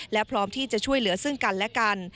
และพร้อมที่จะช่วยเหลือซึ่งกันและกัน